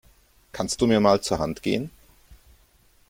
Kannst du mir mal zur Hand gehen?